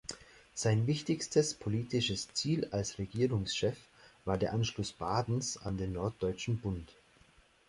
Sein wichtigstes politisches Ziel als Regierungschef war der Anschluss Badens an den Norddeutschen Bund.